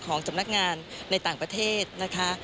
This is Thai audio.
ของสำนักงานในต่างประเทศนะคะ